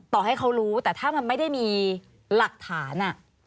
ต่อให้เขารู้แต่ถ้ามันไม่ได้มีหลักฐาน